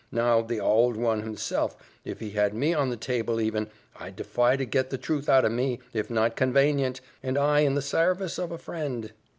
Now, the ould one himself, if he had me on the table even, I'd defy to get the truth out of me, if not convanient, and I in the sarvice of a frind."